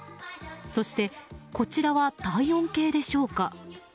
そしてこちらは体温計でしょうか。